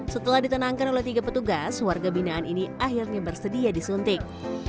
setelah ditenangkan oleh tiga petugas warga binaan ini akhirnya bersedia disuntik